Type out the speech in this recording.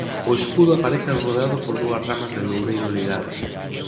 O escudo aparece rodeado por dúas ramas de loureiro ligadas.